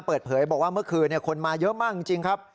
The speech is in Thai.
เปิดเผยบอกว่าเมื่อคืนคนมาเยอะมากจริงครับ